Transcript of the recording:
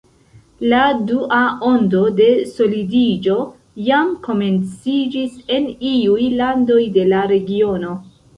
La dua ondo de solidiĝo jam komenciĝis en iuj landoj de la regiono.